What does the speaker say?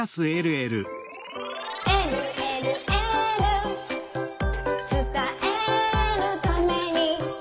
「えるえるエール」「つたえるために」